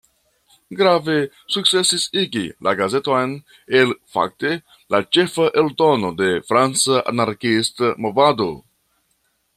Grave sukcesis igi la gazeton el fakte la "ĉefa" eldono de franca anarkiista movado.